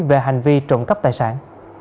về hành vi trộm cấp tài sản